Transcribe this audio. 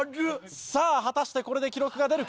さあ果たしてこれで記録が出るか？